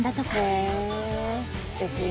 すてき。